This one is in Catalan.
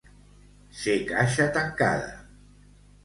Ser caixa tancada.